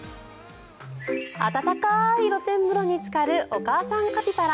温かい露天風呂につかるお母さんカピバラ。